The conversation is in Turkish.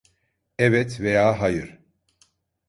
Evet veya hayır.